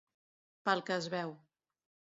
Pel que es veu.